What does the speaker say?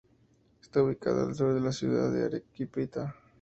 Está ubicada al sur de la ciudad de Arequipa.